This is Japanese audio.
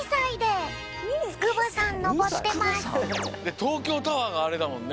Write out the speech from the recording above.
東京タワーがあれだもんね。